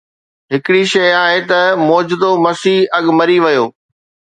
هڪڙي شيء آهي ته معجزو مسيح اڳ مري ويو